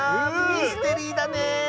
ミステリーだね！